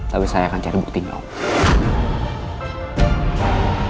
tapi saya akan cari bukti om